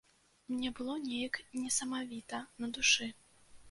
Мне было неяк несамавіта на душы.